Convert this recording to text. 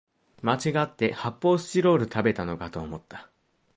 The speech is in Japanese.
まちがって発泡スチロール食べたのかと思った